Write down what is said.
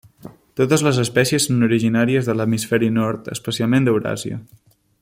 Totes les espècies són originàries de l'hemisferi nord, especialment d'Euràsia.